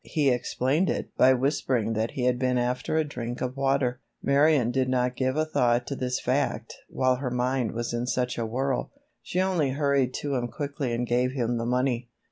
He explained it by whispering that he had been after a drink of water. Marion did not give a thought to this fact while her mind was in such a whirl; she only hurried to him quickly and gave him the money.